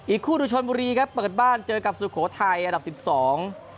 คู่ดูชนบุรีครับเปิดบ้านเจอกับสุโขทัยอันดับสิบสอง